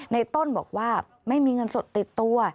ในต้นบอกว่าไม่มีเงินสดติดตัว